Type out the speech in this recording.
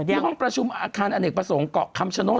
ที่ห้องประชุมอาคารอเนกประสงค์เกาะคำชโนธ